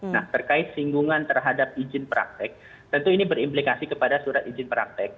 nah terkait singgungan terhadap izin praktek tentu ini berimplikasi kepada surat izin praktek